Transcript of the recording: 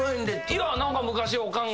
いや何か昔。